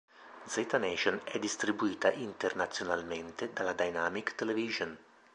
Z Nation è distribuita internazionalmente dalla Dynamic Television.